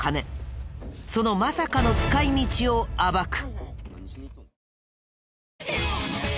そのまさかの使い道を暴く。